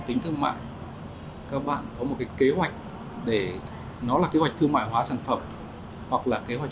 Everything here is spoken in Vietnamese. tính thương mại các bạn có một cái kế hoạch để nó là kế hoạch thương mại hóa sản phẩm hoặc là kế hoạch